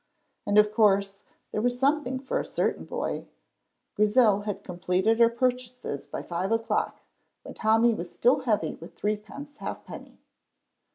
And of course there was something for a certain boy. Grizel had completed her purchases by five o'clock, when Tommy was still heavy with threepence halfpenny.